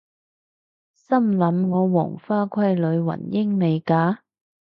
心諗我黃花閨女雲英未嫁！？